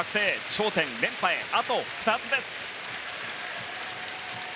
頂点、連覇へあと２つです。